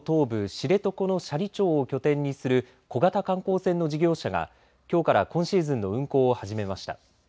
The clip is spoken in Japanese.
知床の斜里町を拠点にする小型観光船の事業者がきょうから今シーズンの運航を始めました。